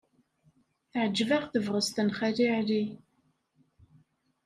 Teɛjeb-aɣ tebɣest n Xali Ɛli.